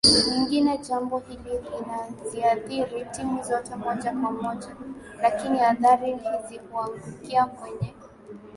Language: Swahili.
nyingine Jambo hili linaziathiri timu zote moja kwa moja lakini athari hizi huangukia kwenye